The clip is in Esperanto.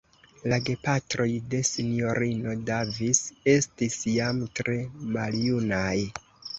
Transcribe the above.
La gepatroj de Sinjorino Davis estis jam tre maljunaj.